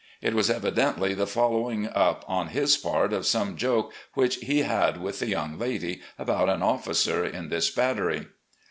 It was evidently the following up on his part of some joke which he had with the yotmg lady about an officer in this battery.